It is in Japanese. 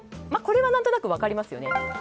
これは何となく分かりますよね。